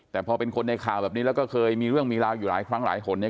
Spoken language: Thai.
แต่พอเป็นคนในข่าวแบบนี้แล้วก็เคยมีเรื่องมีราวอยู่หลายครั้งหลายคนเนี่ย